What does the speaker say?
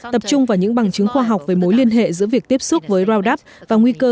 tập trung vào những bằng chứng khoa học về mối liên hệ giữa việc tiếp xúc với raudap và nguy cơ